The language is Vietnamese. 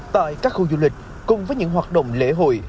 tại các khu du lịch cùng với những hoạt động lễ hội